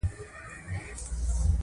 عطرونه د رواني سکون لپاره مهم دي.